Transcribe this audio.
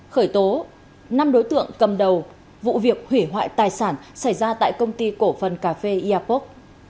khởi tố năm đối tượng cầm đầu vụ việc hủy hoại tài sản xảy ra tại công ty cổ phần cà phê airpoc